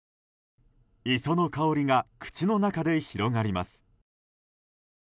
磯の香りが口の中で広がります。